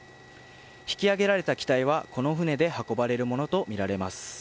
引き上げられた機体はこの船で運ばれるものとみられます。